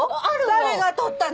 誰が取ったの？